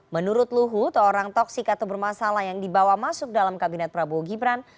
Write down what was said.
menurut luhut orang toksik atau bermasalah yang dibawa masuk dalam kabinet prabowo gibran